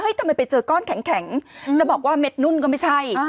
ทำไมไปเจอก้อนแข็งจะบอกว่าเม็ดนุ่นก็ไม่ใช่